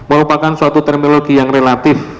merupakan suatu terminologi yang relatif